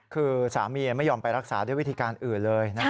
คือสามีไม่ยอมไปรักษาด้วยวิธีการอื่นเลย